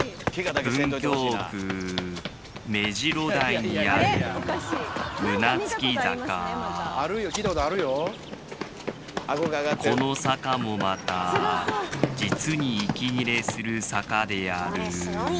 文京区目白台にある胸突坂この坂もまた実に息切れする坂である速い！